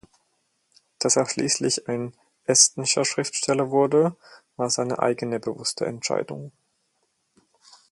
Dass er schließlich ein "estnischer" Schriftsteller wurde, war seine eigene bewusste Entscheidung.